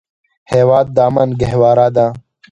هېواد د امن ګهواره ده.